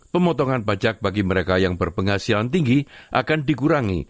pemotongan pajak bagi mereka yang berpenghasilan tinggi akan dikurangi